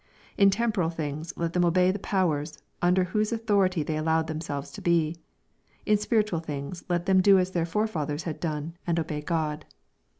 In temporal things, let them obey the powers, under whose authority they allowed themselves to be. In spiritual things let them do as their forefathers had done, and obey God.